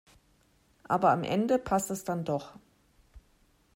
Aber am Ende passt es dann doch.